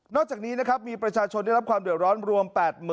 จากนี้นะครับมีประชาชนได้รับความเดือดร้อนรวม๘๐๐๐